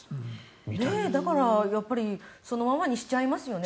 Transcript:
だからやっぱりそのままにしちゃいますよね。